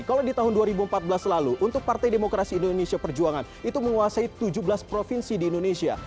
kalau di tahun dua ribu empat belas lalu untuk partai demokrasi indonesia perjuangan itu menguasai tujuh belas provinsi di indonesia